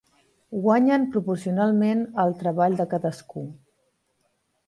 Guanyen proporcionalment al treball de cadascú.